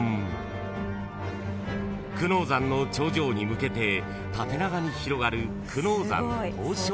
［久能山の頂上に向けて縦長に広がる久能山東照宮］